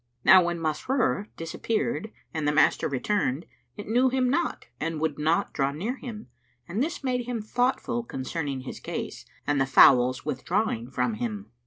Now when Masrur disappeared and the master returned, it knew him not and would not draw near him, and this made him thoughtful concerning his case and the fowl's withdrawing from him.